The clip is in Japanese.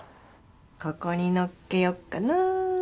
ここにのっけよっかな。